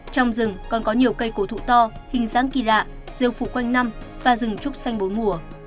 trong rừng còn có nhiều cây cổ thụ to hình dáng kỳ lạ rêu phụ quanh năm và rừng trúc xanh bốn mùa